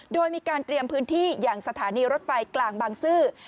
โดยมีการเตรียมพื้นที่อย่างสถานีรถไฟกลางบางซื่อ